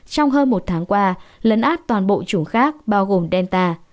trong hơn một tháng qua lấn át toàn bộ chủng khác bao gồm delta